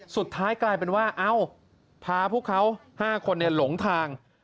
สุดท้ายกลายเป็นว่าเอ้าพาพวกเขา๕คนหลงทาง